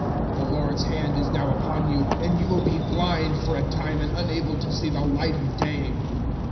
013:011 The Lord's hand is now upon you, and you will be blind for a time and unable to see the light of day."